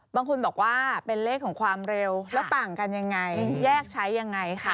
บางคนบอกว่าเป็นเลขของความเร็วแล้วต่างกันยังไงแยกใช้ยังไงค่ะ